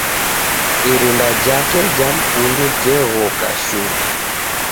Irinda Jake cha mkundu je ghoka shuu.